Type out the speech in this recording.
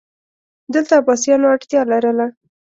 دلته عباسیانو اړتیا لرله